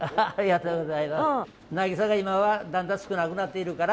なぎさが今はだんだん少なくなっているから。